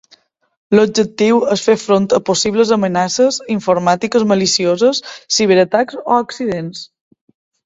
L'objectiu és fer front a possibles amenaces informàtiques malicioses, ciberatacs o accidents.